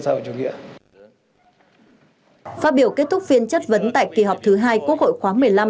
phát biểu kết thúc phiên chất vấn tại kỳ họp thứ hai quốc hội khóa một mươi năm